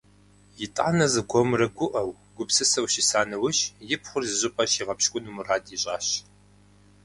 ИтӀанэ, зыкъомрэ гуӀэу, гупсысэу щыса нэужь, и пхъур зыщӀыпӀэ щигъэпщкӀуну мурад ищӀащ.